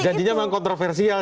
janjinya memang kontroversial